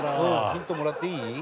ヒントもらっていい？